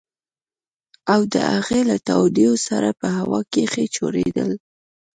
او د هغې له تاوېدو سره په هوا کښې چورلېدل.